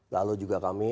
lalu juga kami